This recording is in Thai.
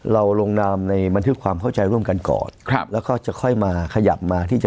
ลงนามในบันทึกความเข้าใจร่วมกันก่อนครับแล้วก็จะค่อยมาขยับมาที่จะ